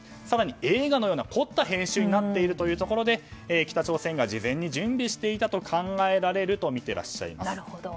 更に映画のような凝った編集になっているところで北朝鮮が事前に準備していたと考えられると見てらっしゃいます。